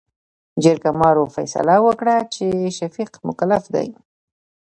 جرګمارو فيصله وکړه چې، شفيق مکلف دى.